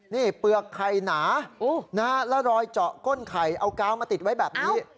นี่เปลือกไข่หนาแล้วรอยเจาะก้นไข่เอากาวมาติดไว้แบบนี้